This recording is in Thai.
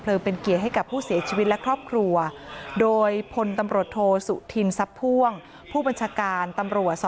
เพลิงเป็นเกียรติให้กับผู้เสียชีวิตและครอบครัว